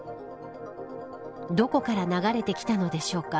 どこから流れてきたのでしょうか。